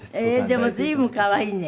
でも随分可愛いね。